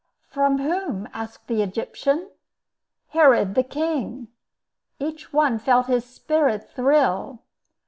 "From whom?" asked the Egyptian. "Herod the king." Each one felt his spirit thrill.